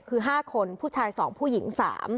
คือ๕คนผู้ชาย๒ผู้หญิง๓